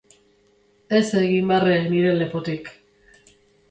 Ez egin barre nire lepotik.